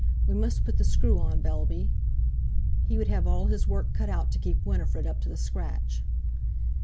We must put the screw on, Bellby"—he would have all his work cut out to keep Winifred up to the scratch.